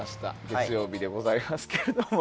月曜日でございますけれども。